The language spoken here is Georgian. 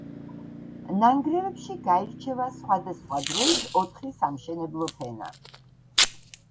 ნანგრევებში გაირჩევა სხვადასხვა დროის ოთხი სამშენებლო ფენა.